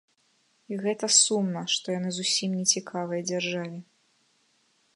І гэта сумна, што яны зусім не цікавыя дзяржаве.